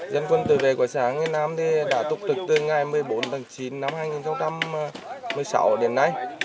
dân quân tự vệ của xã hương yên nam đã tục trực từ ngày một mươi bốn tháng chín năm hai nghìn một mươi sáu đến nay